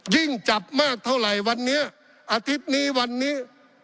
ยิ่งจับมากเท่าไหร่วันนี้อาทิตย์นี้วันนี้